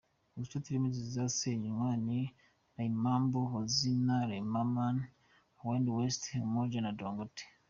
Uduce turimo inzu zizasenywa ni Roysambu, Hazina, Zimmerman, Kahawa West, Umoja na Dagoretti.